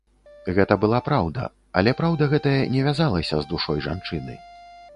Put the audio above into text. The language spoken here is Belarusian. Гэта была праўда, але праўда гэтая не вязалася з душой жанчыны.